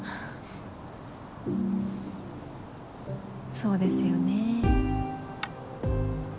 そうですよね。